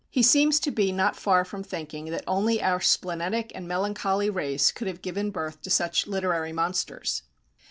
He seems to be not far from thinking that only our splenetic and melancholy race could have given birth to such literary monsters.